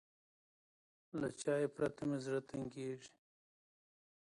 له چای پرته مې زړه تنګېږي.